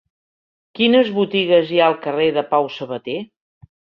Quines botigues hi ha al carrer de Pau Sabater?